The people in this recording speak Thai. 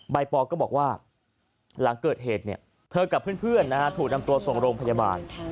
ปอลก็บอกว่าหลังเกิดเหตุเธอกับเพื่อนถูกนำตัวส่งโรงพยาบาล